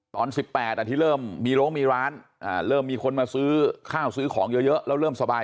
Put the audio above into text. ตอน๑๘ที่เริ่มมีโรงมีร้านเริ่มมีคนมาซื้อข้าวซื้อของเยอะแล้วเริ่มสบาย